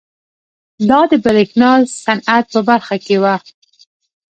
دا د برېښنا صنعت په برخه کې وه.